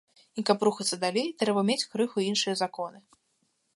І, каб рухацца далей, трэба мець крыху іншыя законы.